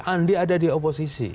andi ada di oposisi